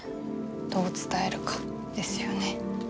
どう伝えるかですよね。